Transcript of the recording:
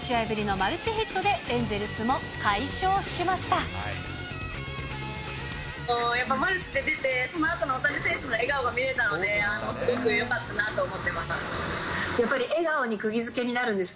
マルチで出てて、そのあとの大谷選手の笑顔が見れたので、すごくよかったなと思ってます。